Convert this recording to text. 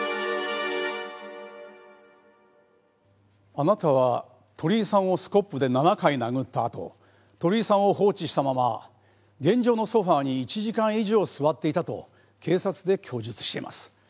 あなたは鳥居さんをスコップで７回殴ったあと鳥居さんを放置したまま現場のソファに１時間以上座っていたと警察で供述しています。